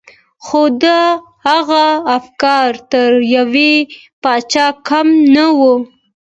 خو د هغه افکار تر يوه پاچا کم نه وو.